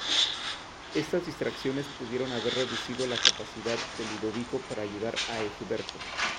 Estas distracciones pudieron haber reducido la capacidad de Ludovico para ayudar a Egberto.